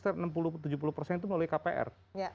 itu melalui kpr